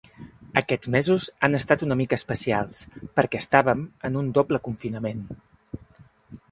Aquests mesos han estat una mica especials, perquè estàvem com en un doble confinament.